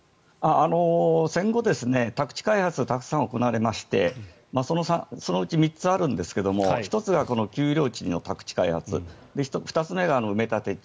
戦後、宅地開発がたくさん行われましてそのうち３つあるんですが１つは丘陵地の宅地開発２つ目が埋め立て地